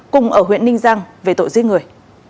cùng ở huyện ninh giang về tội giết người